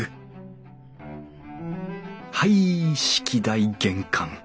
はい式台玄関。